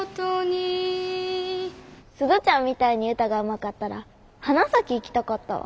鈴ちゃんみたいに歌がうまかったら花咲行きたかったわ。